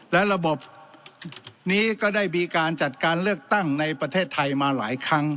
และระบบนี้ก็ได้มีการจัดการเลือกตั้งในประเทศไทยมาหลายครั้ง